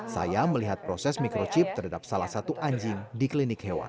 saya melihat proses microchip terhadap salah satu anjing di klinik hewan